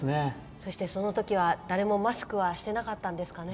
そして、そのときは誰もマスクはしてなかったですかね。